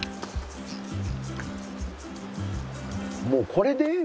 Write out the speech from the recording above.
もうこれでええ！